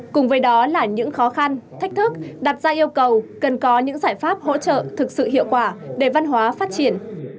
cùng với đó là những khó khăn thách thức đặt ra yêu cầu cần có những giải pháp hỗ trợ thực sự hiệu quả để văn hóa phát triển